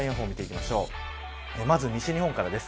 まずは西日本からです。